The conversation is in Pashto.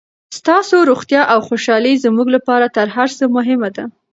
ستاسو روغتیا او خوشحالي زموږ لپاره تر هر څه مهمه ده.